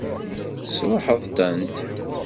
Tesṛuḥeḍ-tent?